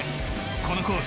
このコース